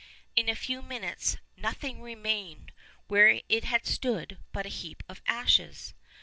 In a few minutes nothing remained where it had stood but a heap of ashes.